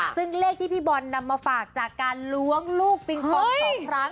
ซึ่งเลขที่พี่บอลนำมาฝากจากการล้วงลูกปิงปอง๒ครั้ง